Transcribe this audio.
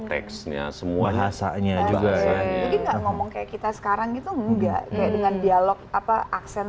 teksnya semua bahasanya juga jangan ngomong kayak kita sekarang itu enggak dengan dialog apa aksen